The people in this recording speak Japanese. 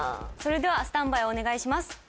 それではスタンバイお願いします。